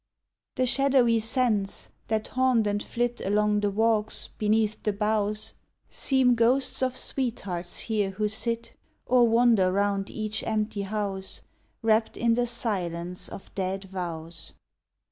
The shadowy scents, that haunt and flit Along the walks, beneath the boughs, Seem ghosts of sweethearts here who sit, Or wander 'round each empty house, Wrapped in the silence of dead vows.